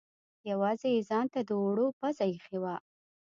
یوازې یې ځانته د اوړو پزه اېښې وه.